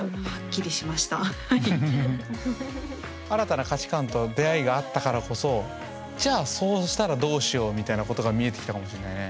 新たな価値観と出会いがあったからこそじゃあそうしたらどうしようみたいなことが見えてきたかもしれないね。